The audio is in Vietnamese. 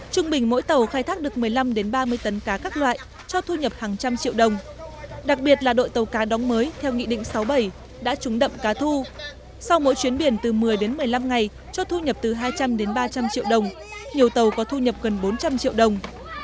trung bình mỗi tàu khai thác được một mươi năm ba mươi tấn cá các loại cho thu nhập hàng trăm triệu đồng đặc biệt là đội tàu cá đóng mới theo nghị định sáu mươi bảy đã trúng đậm cá thu sau mỗi chuyến biển từ một mươi đến một mươi năm ngày cho thu nhập từ hai trăm linh đến ba trăm linh triệu đồng nhiều tàu có thu nhập gần bốn trăm linh triệu đồng